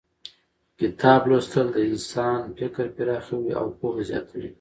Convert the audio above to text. کتاب لوستل د انسان فکر پراخوي او پوهه زیاتوي